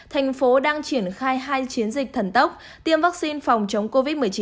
thành phố đang triển khai hai chiến dịch thần tốc tiêm vaccine phòng chống covid một mươi chín